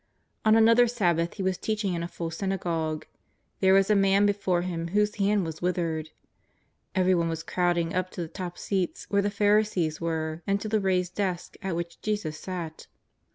On another Sabbath He ^vas teaching in a full syna gogue. There was a man before Him whose hand was withered. Everyone was crowding up to the top seats where the Pharisees were and to the raised desk at which Jesus sat.